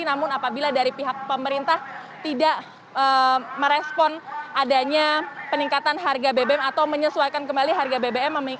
namun apabila dari pihak pemerintah tidak merespon adanya peningkatan harga bbm atau menyesuaikan kembali harga bbm